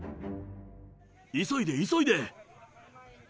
急いで、急いで！